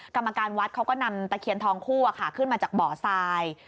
กรรมการวัดเขาก็นำตะเคียนทองคู่ขึ้นมาจากบ่อทราย